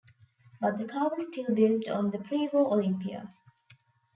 But the car was still based on the pre-war Olympia.